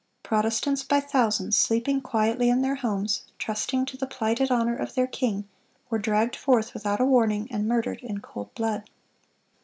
Protestants by thousands, sleeping quietly in their homes, trusting to the plighted honor of their king, were dragged forth without a warning, and murdered in cold blood.